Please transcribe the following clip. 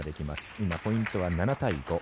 今、ポイントは７対５。